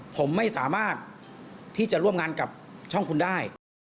ผมไม่สามารถที่จะร่วมงานกับช่องคุณได้